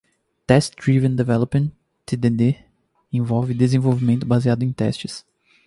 Test-Driven Development (TDD) envolve desenvolvimento baseado em testes.